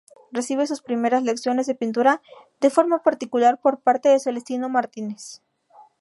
Recibe sus primeras lecciones de pintura de forma particular por parte de Celestino Martínez.